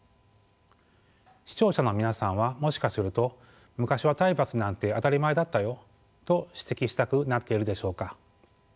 視聴者の皆さんはもしかすると「昔は体罰なんて当たり前だったよ」と指摘したくなっているでしょうか。